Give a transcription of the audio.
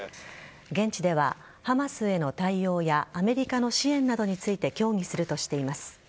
現地では、ハマスへの対応やアメリカの支援などについて協議するとしています。